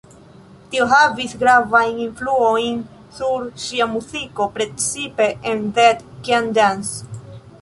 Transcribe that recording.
Tio havis gravajn influojn sur ŝia muziko, precipe en "Dead Can Dance".